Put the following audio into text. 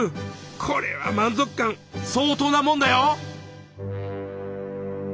これは満足感相当なもんだよ。